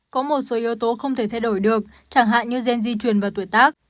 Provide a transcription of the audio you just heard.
có một số yếu tố không thể thay đổi được chẳng hạn như gen di truyền và tuổi tác